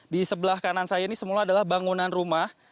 di sebelah kanan saya ini semula adalah bangunan rumah